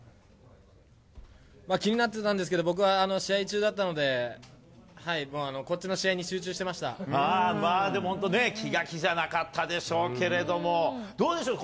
気になってたんですけど、僕は試合中だったので、まあでも本当ね、気が気じゃなかったでしょうけれども、どうでしょう？